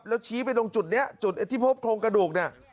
แล้วชี้ไปตรงจุดเนี้ยจุดเนี้ยที่พบโครงกระดูกน่ะ